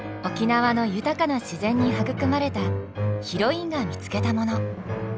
沖縄の豊かな自然に育まれたヒロインが見つけたもの。